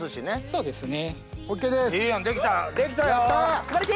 そうですね。